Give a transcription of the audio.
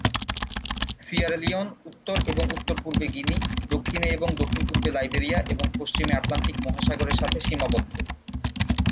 Sierra Leone উত্তর এবং উত্তর-পূর্বে গিনি, দক্ষিণে এবং দক্ষিণ-পূর্বে লাইবেরিয়া এবং পশ্চিমে আটলান্টিক মহাসাগরের সাথে সীমাবদ্ধ।